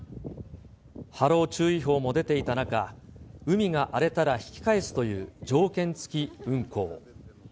波浪注意報も出ていた中、海が荒れたら引き返すという条件付き運航。